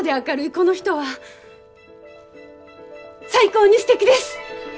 この人は最高にすてきです！